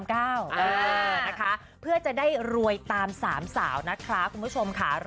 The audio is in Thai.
เรียกว่าสุดยอดคุณผู้ชมค่ะ